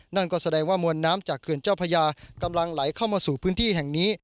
นั่นก็แสดงว่ามวลน้ำจากเขื่อนเจ้าพญากำลังไหลเข้ามาสู่พื้นที่แห่งนี้